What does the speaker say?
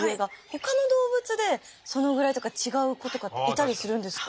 ほかの動物でそのぐらいとか違う子とかいたりするんですか？